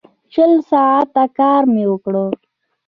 شل ساعته کار مې وکړ.